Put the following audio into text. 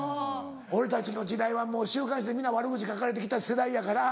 俺たちの時代はもう週刊誌で皆悪口書かれて来た世代やから。